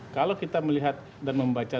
kalau kita melihat dan membaca